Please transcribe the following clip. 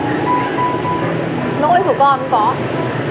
nỗi của con cũng có